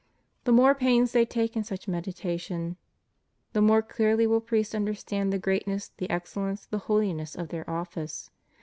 The more pains they take in such meditation, the more clearly will priests understand the greatness, the excellence, the hoUness of their office.